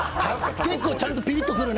結構ちゃんとピリッとくるね。